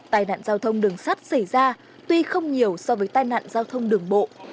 tai nạn giao thông đường sắt xảy ra tuy không nhiều so với tai nạn giao thông đường bộ